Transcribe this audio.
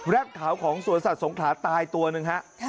ขาวของสวนสัตว์สงขลาตายตัวหนึ่งฮะ